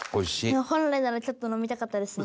でも本来ならちょっと飲みたかったですね。